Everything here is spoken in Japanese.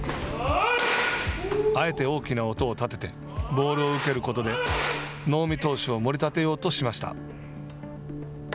あえて大きな音を立ててボールを受けることで能見投手をもり立てようとしました。